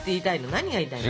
何が言いたいの？